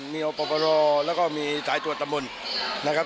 มีอปรปรแล้วก็มีสายตรวจตำบลนะครับ